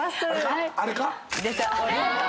あれか？